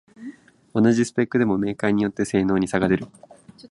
同じスペックでもメーカーによって性能に差が出る